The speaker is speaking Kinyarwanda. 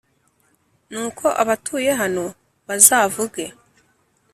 Nuko abatuye hano bazavuge